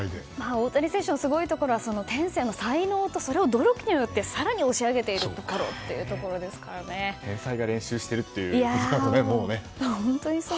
大谷選手のすごいところは天性の才能とそれを努力によって更に押し上げているところ天才が練習してるってなるとね。